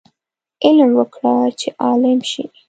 علم وکړه چې عالم شې